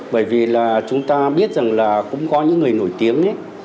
bởi vì là chúng ta biết rằng là cũng có những người nổi tiếng ấy